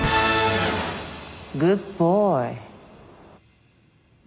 グッドボーイ。